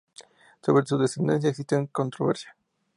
Sobre su descendencia existe controversia.